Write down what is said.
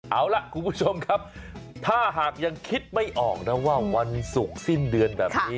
เอาล่ะคุณผู้ชมครับถ้าหากยังคิดไม่ออกนะว่าวันศุกร์สิ้นเดือนแบบนี้